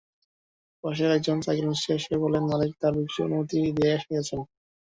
পাশের একজন সাইকেল মিস্ত্রি এসে বললেন, মালেক তাঁকে বিক্রির অনুমতি দিয়ে গেছেন।